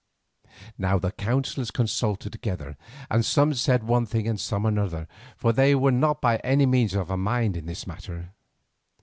Now the councillors consulted together, and some said one thing and some another, for they were not by any means of a mind in the matter.